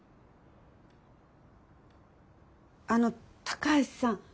あの高橋さん。